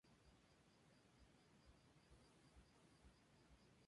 Desde el punto de vista administrativo, la isla fue dividida en dos estados.